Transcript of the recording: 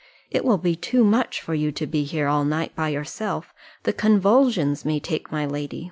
It will be too much for you to be here all night by yourself. The convulsions may take my lady.